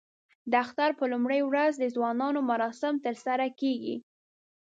د اختر په لومړۍ ورځ د ځوانانو مراسم ترسره کېږي.